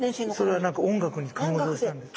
それは何か音楽に感動したんです。